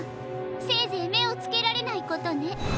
せいぜいめをつけられないことね。